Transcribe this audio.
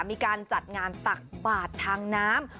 มีการจัดงานตักบาททางน้ำ